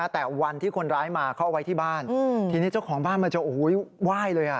แต่วันที่คนร้ายมาเข้าไว้ที่บ้านทีนี้เจ้าของบ้านมันจะไหว้เลย